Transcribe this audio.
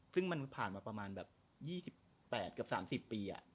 ซึ่งมันผ่านมาประมาณแบบ๒๘เกือบ๓๐ปี